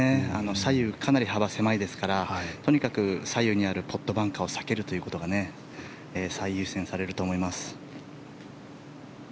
左右、かなり幅狭いですから左右にあるポットバンカーを避けるということが最優先されると思います。